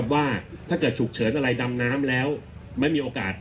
ว่าถ้าเกิดฉุกเฉินอะไรดำน้ำแล้วไม่มีโอกาส